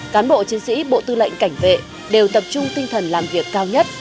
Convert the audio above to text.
cán bộ chiến sĩ bộ tư lệnh cảnh vệ đều tập trung tinh thần làm việc cao nhất